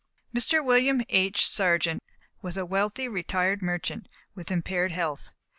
Mr. William H. Sargent was a wealthy, retired merchant, with impaired health.